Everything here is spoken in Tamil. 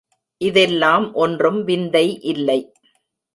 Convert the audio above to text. இதெல்லாம் ஒன்றும் விந்தை இல்லை.